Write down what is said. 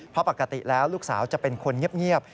เพราะปกติแล้วลูกสาวจะเป็นคนเงียบ